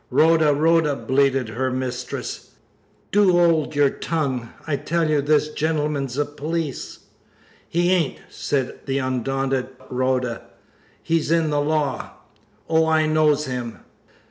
"Rhoda! Rhoda!" bleated her mistress, "do 'old your tongue! I tell you this gentleman's a police." "He ain't!" said the undaunted Rhoda. "He's in the law. Oh, I knows him!'